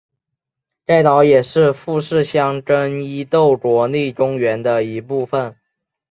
该岛也是富士箱根伊豆国立公园的一部分。